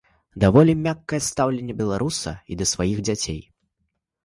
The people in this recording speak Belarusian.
Даволі мяккае стаўленне беларуса і да сваіх дзяцей.